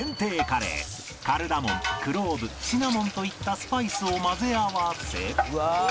カルダモンクローブシナモンといったスパイスを混ぜ合わせ